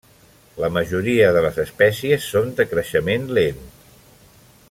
La majoria de les espècies són de creixement lent.